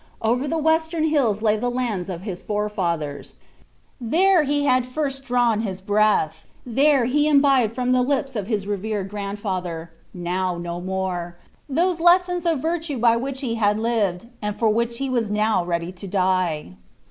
Over the western hills lay the lands of his forefathers. There he had first drawn his breath; there he imbibed from the lips of his revered grandfather, now no more, those lessons of virtue by which he had lived, and for which he was now ready to die.